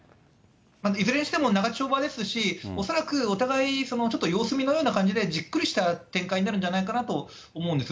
いずれにしても長丁場ですし、おそらくお互いちょっと様子見のような感じで、じっくりした展開になるんじゃないかなと思うんです。